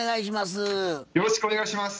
よろしくお願いします。